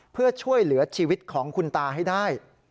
เพื่อช่วยเหลือชีวิตของคุณตาให้ได้